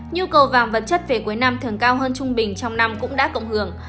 nhu cầu vàng vật chất về cuối năm thường cao hơn trung bình trong năm cũng đã cộng hưởng